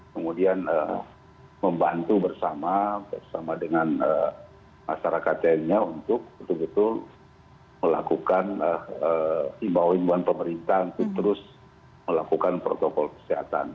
kemudian membantu bersama bersama dengan masyarakat lainnya untuk betul betul melakukan imbau imbauan pemerintah untuk terus melakukan protokol kesehatan